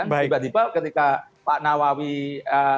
tiba tiba ketika pak nawawi mengatakan